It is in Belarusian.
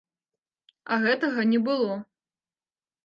А гэтага не было.